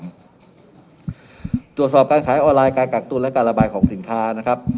ตรวจสอบการขายออนไลน์การกักตุ้นและการระบายของสินค้านะครับ